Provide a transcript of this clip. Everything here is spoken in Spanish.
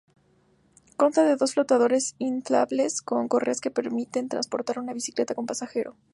Consta de dos flotadores inflables con correas que permiten transportar una bicicleta con pasajero.